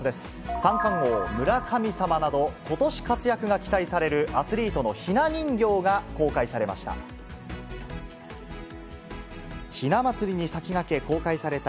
三冠王、村神様などことし活躍が期待されるアスリートのひな人形が公開されました。